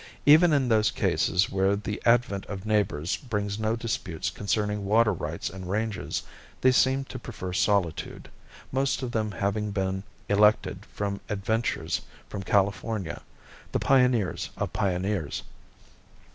Even in those cases where the advent of neighbors brings no disputes concerning water rights and ranges, they seem to prefer solitude, most of them having been elected from adventurers from California—the pioneers of pioneers.